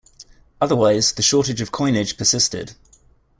Otherwise, the shortage of coinage persisted.